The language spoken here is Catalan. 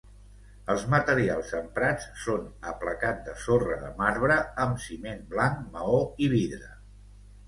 Els materials emprats són aplacat de sorra de marbre amb ciment blanc, maó i vidre.